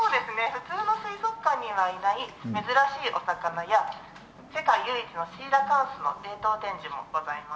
普通の水族館にはいない珍しいお魚や世界唯一のシーラカンスの冷凍展示もございます。